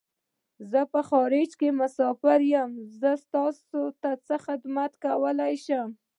زه په خارج کی مسافر یم . زه تاسو څه خدمت کولای شم